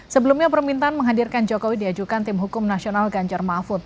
sebelumnya permintaan menghadirkan jokowi diajukan tim hukum nasional ganjar mafud